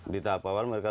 di tahap awal mereka